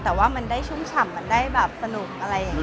แต่ว่ามันได้ชุ่มฉ่ำมันได้แบบสนุกอะไรอย่างนี้